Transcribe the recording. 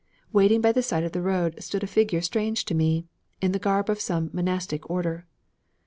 Waiting by the side of the road, stood a figure strange to me, in the garb of some monastic order.